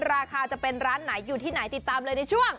ราคาจะเป็นร้านไหนอยู่ที่ไหนติดตามเลยในช่วง